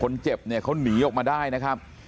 คนก็จับจะเจ็บเมื่อหนีออกมาได้นะครับ